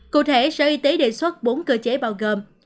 cụ thể sở y tế đề xuất bốn cơ chế bao gồm